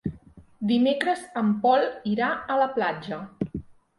Dimecres en Pol irà a la platja.